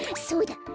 そうだ！